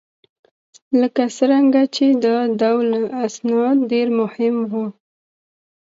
لکه څرنګه چې دا ډول اسناد ډېر مهم وه